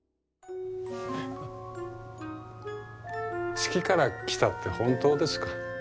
月から来たって本当ですか？